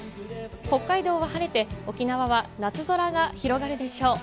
北海道は晴れて、沖縄は夏空が広がるでしょう。